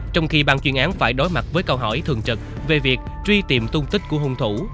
trong khi ban chuyên án phải đối mặt với câu hỏi thường trực về việc truy tìm tung tích của hung thủ